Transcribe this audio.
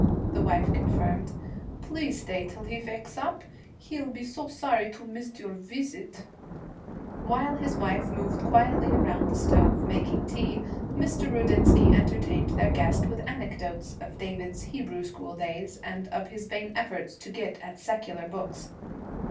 the wife confirmed. 'Please stay till he veks up. He'll be sorry to missed your vis_it_.' While his wife moved quietly around the stove, making tea, Mr. Rudinsky entertained their guest with anecdotes of David's Hebrew school days, and of his vain efforts to get at secular books.